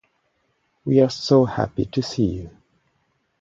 We are so happy to see you.